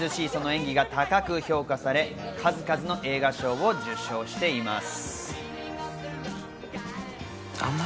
その演技が高く評価され、数々の映画賞を受賞しています。